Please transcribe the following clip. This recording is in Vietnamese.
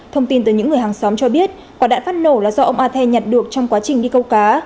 thông tin từ những người hàng xóm cho biết quả đạn phát nổ là do ông athen nhặt được trong quá trình đi câu cá